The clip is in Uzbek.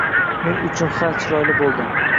Men uchun ha, chiroyli bo‘ldi.